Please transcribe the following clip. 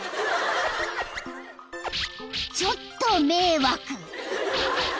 ［ちょっと迷惑］